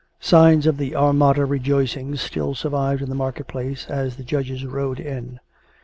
Signs of the Armada rejoicings still survived in the market place as the judges rode in.